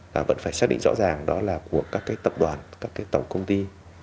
và vẫn phải xác định rõ ràng đó là của các tập đoàn các tổng công ty